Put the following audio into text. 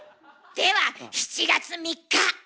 では７月３日。